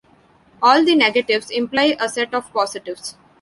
All the negatives imply a set of positives.